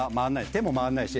手も回んないし。